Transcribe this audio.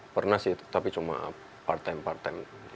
pernah sih tapi cuma part time